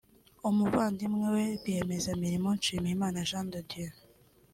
umuvandimwe we rwiyemezamirimo Nshimiyimana Jean de Dieu